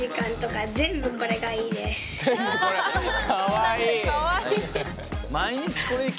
かわいい！